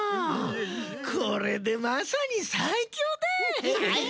これでまさにさいきょうだい。